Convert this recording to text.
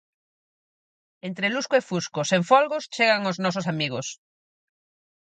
Entre lusco e fusco, sen folgos, chegan os nosos amigos.